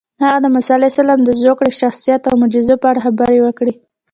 هغه د موسی علیه السلام د زوکړې، شخصیت او معجزو په اړه خبرې وکړې.